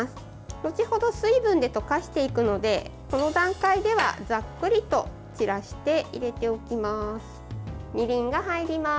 後程、水分で溶かしていくのでこの段階ではざっくりと散らして入れておきます。